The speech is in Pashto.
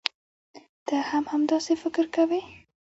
ته هم همداسې فکر کوې.